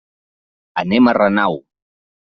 Anem a Renau.